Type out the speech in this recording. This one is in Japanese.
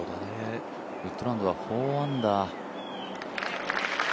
ウッドランドは４アンダー。